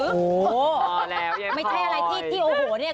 โอ้โหไม่ใช่อะไรที่ที่โอ้โหเนี่ย